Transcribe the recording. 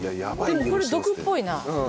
でもこれ毒っぽいな。